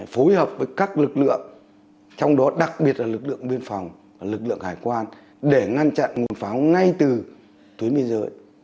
phối hợp với các lực lượng trong đó đặc biệt là lực lượng biên phòng lực lượng hải quan để ngăn chặn nguồn pháo ngay từ tuyến biên giới